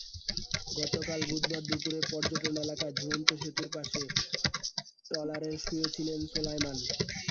গতকাল বুধবার দুপুরে পর্যটন এলাকার ঝুলন্ত সেতুর পাশে ট্রলারে শুয়ে ছিলেন সোলাইমান।